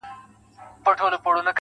غلطۍ کي مي د خپل حسن بازار مات کړی دی,